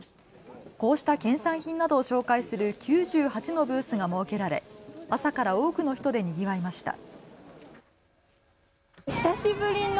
こうした県産品などを紹介する９８のブースが設けられ朝から多くの人でにぎわいました。